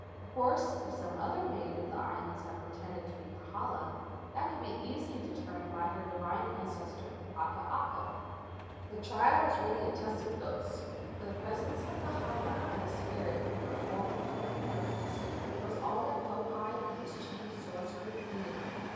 Of course, if some other maid of the islands had pretended to be Kahala, that could be easily determined by her divine ancestor Akaaka. The trial was really a test of ghosts, for the presence of Kahala as a spirit in her former human likeness was all that Kauhi and his chief sorcerer feared.